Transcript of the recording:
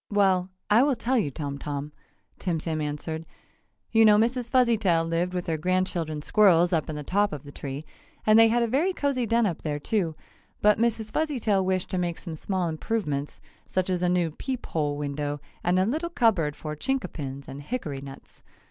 "Well, I will tell you, Tom Tom," Tim Tim answered, "You know Mrs. Fuzzytail lived with her grandchildren squirrels up in the top of the tree, and they had a very cozy den up there, too, but Mrs. Fuzzytail wished to make some small improvements, such as a new peep hole window and a little cupboard for Chinkapins and hickory nuts.